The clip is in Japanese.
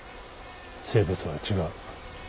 生物は違う。